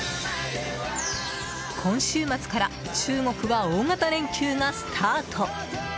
今週末から中国は大型連休がスタート。